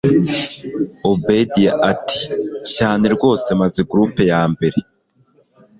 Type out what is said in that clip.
obedia ati cyane rwose maze group yambere